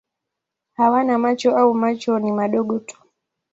Hawana macho au macho ni madogo tu.